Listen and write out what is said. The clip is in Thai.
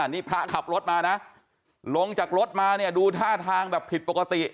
นี่พระขับรถมานะลงจากรถมาเนี่ยดูท่าทางแบบผิดปกติ